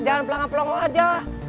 jangan pelanggan pelonggo aja